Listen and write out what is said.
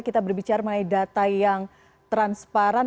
kita berbicara mengenai data yang transparan